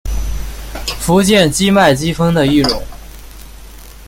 福建畸脉姬蜂的一种。